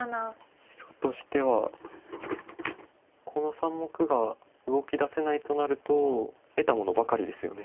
白としてはこの３目が動きだせないとなると得たものばかりですよね。